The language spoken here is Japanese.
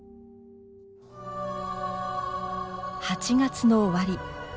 ８月の終わり。